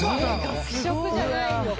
学食じゃないよこれ。